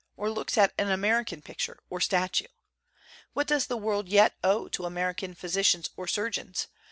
or looks at an American picture or statue? What does the world yet owe to American physicians or surgeons?